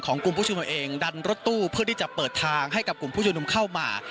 กลุ่มผู้ชุมนุมเองดันรถตู้เพื่อที่จะเปิดทางให้กับกลุ่มผู้ชุมนุมเข้ามา